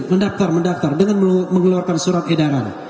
mendaftar mendaftar dengan mengeluarkan surat edaran